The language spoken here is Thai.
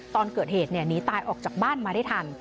ตอนเกิดเหตุหนีตายออกจากบ้านมาได้ทัน